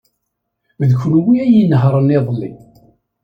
D kenwi ay inehṛen iḍelli.